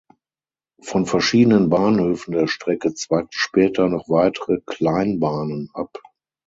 Von verschiedenen Bahnhöfen der Strecke zweigten später noch weitere Kleinbahnen ab.